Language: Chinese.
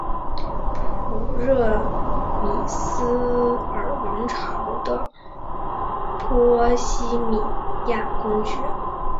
普热米斯尔王朝的波希米亚公爵。